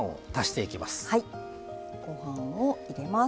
はいごはんを入れます。